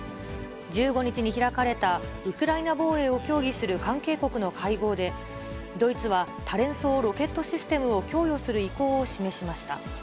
１５日に開かれたウクライナ防衛を協議する関係国の会合で、ドイツは多連装ロケットシステムを供与する意向を示しました。